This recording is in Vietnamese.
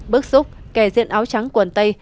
bức xúc kẻ diện áo trắng quần tây